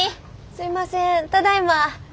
すいませんただいま！